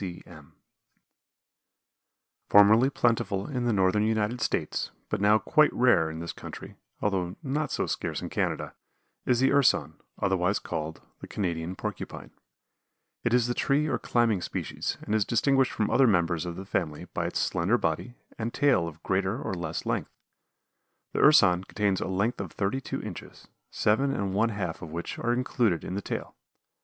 C. C. M. Formerly plentiful in the northern United States, but now quite rare in this country, although not so scarce in Canada, is the Urson, otherwise called the Canadian Porcupine. It is the tree or climbing species and is distinguished from other members of the family by its slender body and tail of greater or less length. The Urson attains a length of thirty two inches, seven and one half of which are included in the tail.